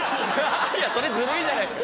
それずるいじゃないですか！